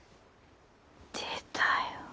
出たよ。